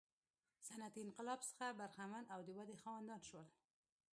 صنعتي انقلاب څخه برخمن او د ودې خاوندان شول.